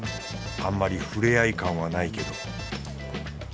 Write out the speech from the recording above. あんまりふれあい感はないけど。